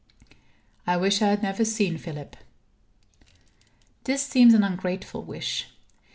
I wish I had never seen Philip. This seems an ungrateful wish.